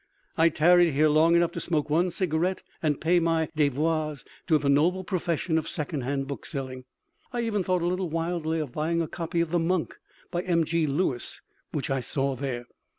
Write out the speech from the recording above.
I tarried here long enough to smoke one cigarette and pay my devoirs to the noble profession of second hand bookselling. I even thought, a little wildly, of buying a copy of "The Monk" by M.G. Lewis, which I saw there.